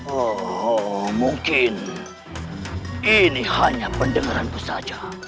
oh mungkin ini hanya pendengaranku saja